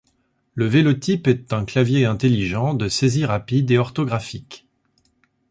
Le Velotype est un clavier intelligent, de saisie rapide et orthographique.